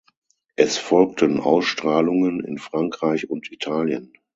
Es folgten Ausstrahlungen in Frankreich und Italien.